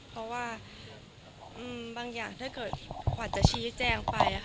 เพราะว่าบางอย่างถ้าเกิดขวัญจะชี้แจงไป